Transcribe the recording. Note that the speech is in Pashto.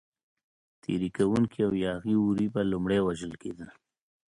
تېري کوونکي او یاغي وري به لومړی وژل کېدل.